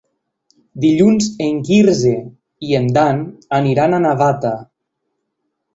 Dilluns en Quirze i en Dan aniran a Navata.